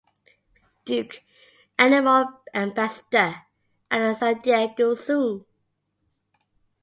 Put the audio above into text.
Duke; animal ambassador at the San Diego Zoo.